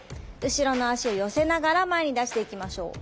後ろの足を寄せながら前に出していきましょう。